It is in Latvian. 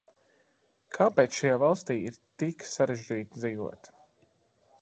Kāpēc šajā valstī ir tik sarežģīti dzīvot?